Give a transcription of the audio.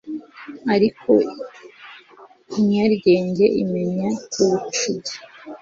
ariko inyaryenge imenya kuwucubya